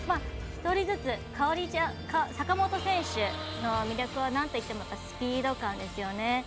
１人ずつ坂本選手の魅力はなんといってもスピード感ですよね。